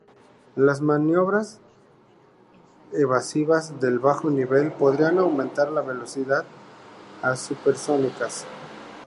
Las maniobras evasivas de bajo nivel podrían aumentar las velocidades a supersónicas.